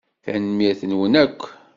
Tanemmirt-nwen akk.